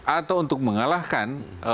atau untuk mengalahkan